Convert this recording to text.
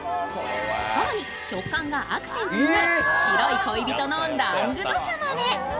更に、食感がアクセントとなる白い恋人のラングドシャまで。